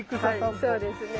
はいそうですね。